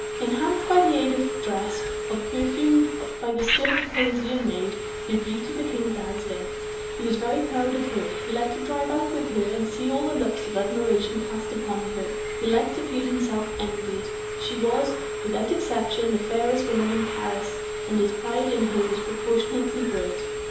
Enhanced by the aid of dress, of perfume, by the skill of a Parisian maid, her beauty became dazzling. He was very proud of her; he liked to drive out with her, and see all the looks of admiration cast upon her; he liked to feel himself envied. She was, without exception, the fairest woman in Paris; and his pride in her was proportionately great.